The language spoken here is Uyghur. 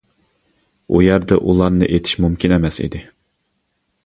ئۇ يەردە ئۇلارنى ئېتىش مۇمكىن ئەمەس ئىدى.